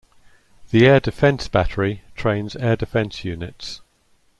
The Air Defence Battery trains air defence units.